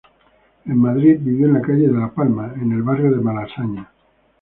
En Madrid, vivió en la calle de la Palma, en el barrio de Malasaña.